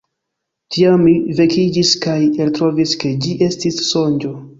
Tiam mi vekiĝis, kaj eltrovis, ke ĝi estis sonĝo.